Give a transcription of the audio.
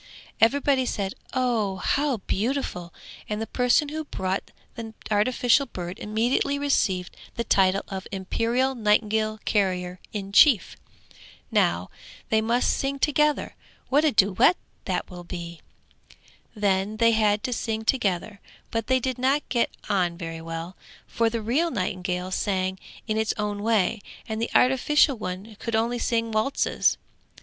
Everybody said, 'Oh, how beautiful!' And the person who brought the artificial bird immediately received the title of Imperial Nightingale Carrier in Chief. 'Now, they must sing together; what a duet that will be.' Then they had to sing together, but they did not get on very well, for the real nightingale sang in its own way, and the artificial one could only sing waltzes.